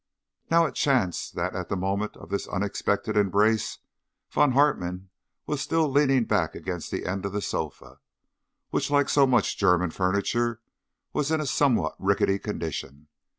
Now it chanced that at the moment of this unexpected embrace Von Hartmann was still leaning back against the end of the sofa, which, like much German furniture, was in a somewhat rickety condition.